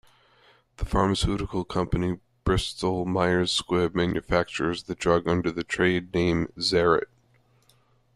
The pharmaceutical company Bristol-Myers Squibb manufactures the drug under the trade name Zerit.